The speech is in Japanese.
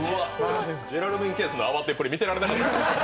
ジュラルミンケースの慌てっぷり見てられなかったですよ。